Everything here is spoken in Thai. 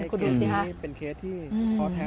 คุณดูสิค่ะ